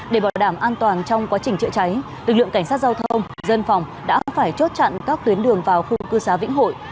để bảo đảm an toàn trong quá trình chữa cháy lực lượng cảnh sát giao thông dân phòng đã phải chốt chặn các tuyến đường vào khu cư xá vĩnh hội